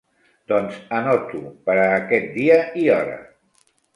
Doncs anoto per a aquest dia i hora.